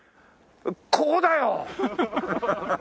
ここだよ！